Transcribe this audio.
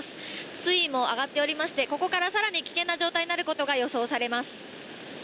水位も上がっておりまして、ここから更に危険な状態になることが予想されます。